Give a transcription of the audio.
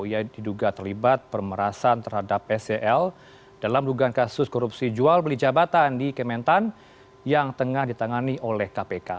ia diduga terlibat pemerasan terhadap scl dalam dugaan kasus korupsi jual beli jabatan di kementan yang tengah ditangani oleh kpk